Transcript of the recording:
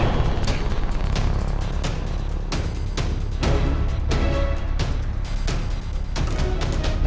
iya apa aku ada debris poi bro